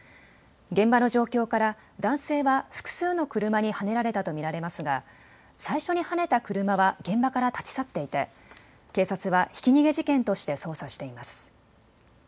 現場の状況から男性は複数の車にはねられたと見られますが最初にはねた車は現場から立ち去っていて警察はひき逃げ事件として捜査しています。